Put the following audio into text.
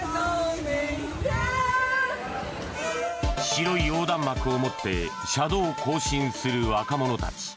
白い横断幕を持って車道を行進する若者たち。